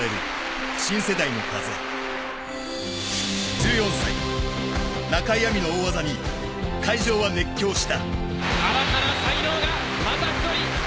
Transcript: １４歳、中井亜美の大技に会場は熱狂した。